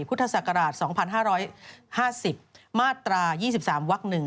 พุทธศักราช๒๕๕๐มาตรา๒๓วัก๑